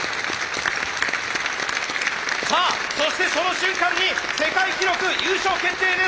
さあそしてその瞬間に世界記録優勝決定です！